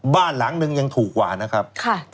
บ้านหลังนึงยังถูกกว่านะครับ